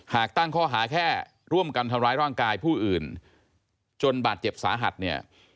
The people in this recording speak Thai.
ตั้งข้อหาแค่ร่วมกันทำร้ายร่างกายผู้อื่นจนบาดเจ็บสาหัสเนี่ย